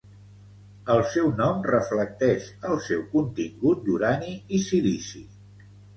El seu nom reflecteix el seu contingut d'urani i silici.